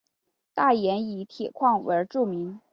大冶以铁矿而著名。